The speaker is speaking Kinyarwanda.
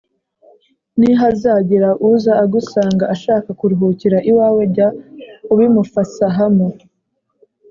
Nihazagira uza agusanga ashaka kuruhukira iwawe jya ubimufasahamo.